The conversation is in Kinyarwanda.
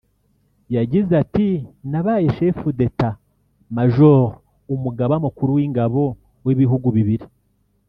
yagize ati “Nabaye Chef d’état Major (Umugaba Mukuru w’Ingabo) w’ibihugu bibiri